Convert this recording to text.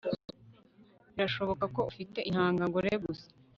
Birashoboka ko ufite intanga ngore gusa